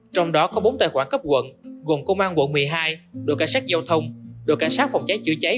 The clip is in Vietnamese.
trong đó có bốn tài khoản cấp quận gồm công an quận một mươi hai đội cảnh sát giao thông đội cảnh sát phòng cháy chữa cháy